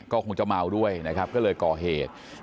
ก็คงจะเมาด้วยนะครับก็เลยก่อเหตุ